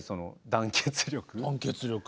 団結力。